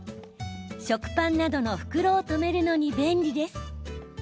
食パンなどの袋を留めるのに便利です。